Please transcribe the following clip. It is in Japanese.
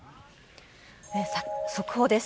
速報です。